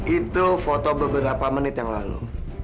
itu foto beberapa menit yang lalu